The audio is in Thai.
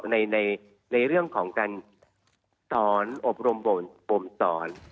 ในเรื่องของการสอนอบรมบ่มสอน